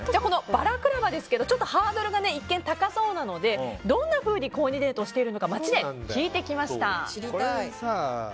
バラクラバですけどハードルが一見高そうなのでどんなふうにコーディネートしているのか街で聞いてきました。